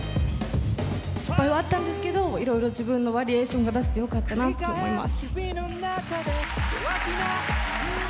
失敗はあったんですけど、いろいろ自分のバリエーションが出せてよかったなと思います。